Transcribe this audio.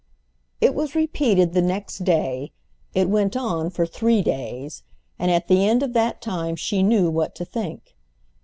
It was repeated the next day; it went on for three days; and at the end of that time she knew what to think.